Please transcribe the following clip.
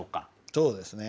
そうですね。